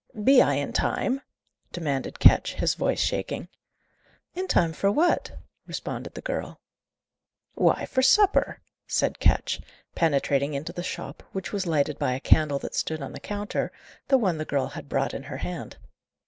"Be I in time?" demanded Ketch, his voice shaking. "In time for what?" responded the girl. "Why, for supper," said Ketch, penetrating into the shop, which was lighted by a candle that stood on the counter, the one the girl had brought in her hand.